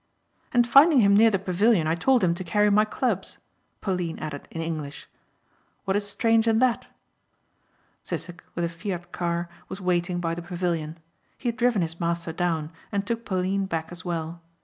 "And finding him near the pavilion I told him to carry my clubs," Pauline added in English. "What is strange in that?" Sissek with a Fiat car was waiting by the pavilion. He had driven his master down and took Pauline back as well.